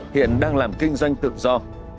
hiện đang làm kinh doanh tự do